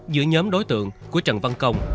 giữa nhóm đối tượng của trần văn công